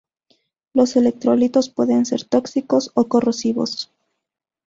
Los electrolitos pueden ser tóxicos o corrosivos.